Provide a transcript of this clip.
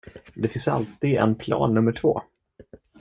Men det finns alltid en plan nummer två.